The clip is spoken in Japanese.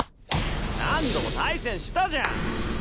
何度も対戦したじゃん。